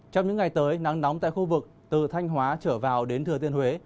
trong những ngày tới nắng nóng tại khu vực từ thanh hóa trở vào đến thừa tiên huế